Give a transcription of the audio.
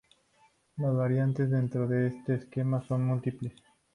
Las variantes, dentro de este esquema, son múltiples.